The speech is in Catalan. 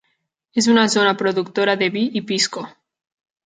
És una zona productora de vi i pisco.